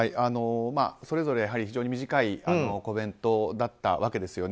それぞれ非常に短いコメントだったわけですよね。